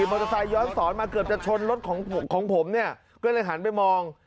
มอเตอร์ไซค์ย้อนสอนมาเกือบจะชนรถของของผมเนี่ยก็เลยหันไปมอง